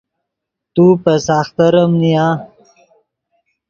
تو پے ساختریم نیا